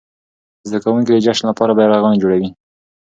زده کوونکي د جشن لپاره بيرغونه جوړوي.